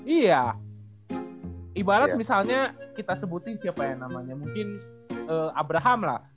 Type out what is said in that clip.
iya ibarat misalnya kita sebutin siapa yang namanya mungkin abraham lah